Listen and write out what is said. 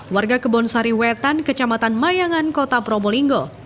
warga kebonsari wetan kecamatan mayangan kota probolinggo